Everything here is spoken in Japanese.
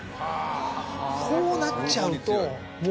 こうなっちゃうと。